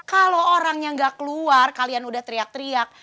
kalau orangnya gak keluar kalian udah teriak teriak